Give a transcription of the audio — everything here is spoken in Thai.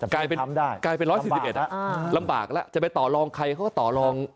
กลายเป็น๑๔๑ลำบากแล้วจะไปต่อรองใครเขาก็ต่อรอง